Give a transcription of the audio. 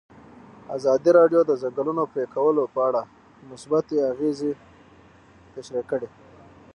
ازادي راډیو د د ځنګلونو پرېکول په اړه مثبت اغېزې تشریح کړي.